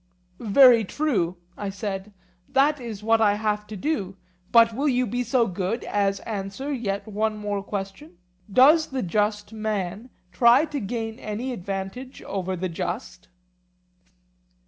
Very true, I said; that is what I have to do: But will you be so good as answer yet one more question? Does the just man try to gain any advantage over the just?